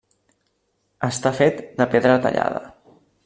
Està fet de pedra tallada.